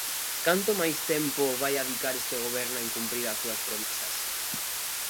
¿Canto máis tempo vai adicar este goberno a incumprir as súas promesas?